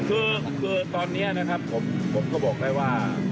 คือตอนนี้นะครับผมก็บอกได้ว่า